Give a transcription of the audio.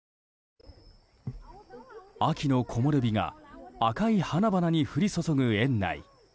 秋の木漏れ日が赤い花々に降り注ぐ園内。